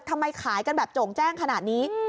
ขายกันแบบโจ่งแจ้งขนาดนี้